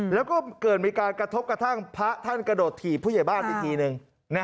แล้วก็เกิดมีการกระทบกระทั่งพระท่านกระโดดถีบผู้ใหญ่บ้านอีกทีนึง